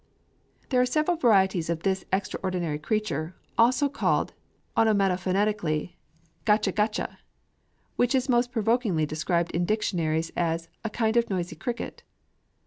_ There are several varieties of this extraordinary creature, also called onomatopoetically gatcha gatcha, which is most provokingly described in dictionaries as "a kind of noisy cricket"!